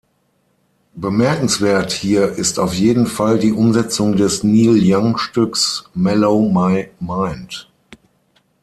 Bemerkenswert hier ist auf jeden Fall die Umsetzung des Neil-Young-Stücks "Mellow My Mind".